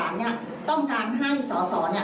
ขอบคุณเลยนะฮะคุณแพทองธานิปรบมือขอบคุณเลยนะฮะ